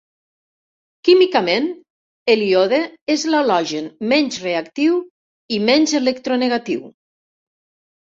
Químicament, el iode és l'halogen menys reactiu i menys electronegatiu.